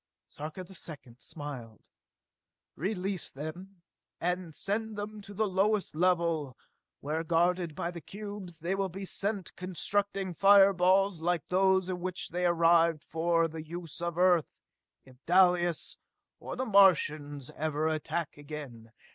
Sarka the Second smiled. "Release them and send them to the lowest level where, guarded by the cubes, they will be set to constructing fireballs like those in which they arrived for the use of Earth if Dalis, or the Martians, ever attack again!